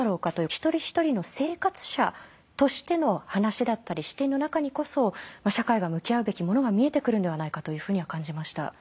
一人一人の生活者としての話だったり視点の中にこそ社会が向き合うべきものが見えてくるんではないかというふうには感じました。